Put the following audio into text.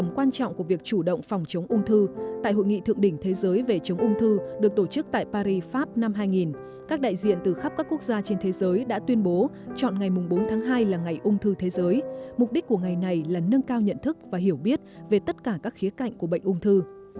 mục đích của ngày này là nâng cao nhận thức và hiểu biết về tất cả các khía cạnh của bệnh ung thư